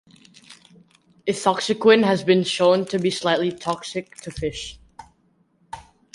Ethoxyquin has been shown to be slightly toxic to fish.